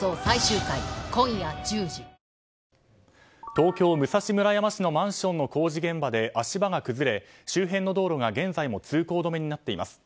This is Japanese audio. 東京・武蔵村山市のマンションの工事現場で足場が崩れ、周辺の道路が現在も通行止めになっています。